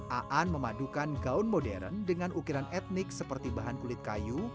aan memadukan gaun modern dengan ukiran etnik seperti bahan kulit kayu